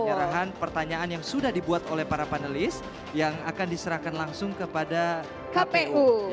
penyerahan pertanyaan yang sudah dibuat oleh para panelis yang akan diserahkan langsung kepada kpu